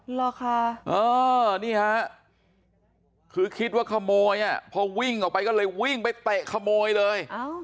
เหรอคะนี่ฮะคือคิดว่าขโมยอ่ะพอวิ่งออกไปก็เลยวิ่งไปเตะขโมยเลย